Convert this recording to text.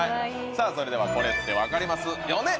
さあそれではこれって分かりますよね？